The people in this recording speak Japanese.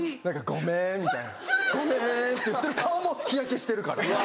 ごめんみたいなごめんって言ってる顔も日焼けしてるから。